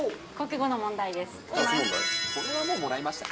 これはもう、もらいましたね？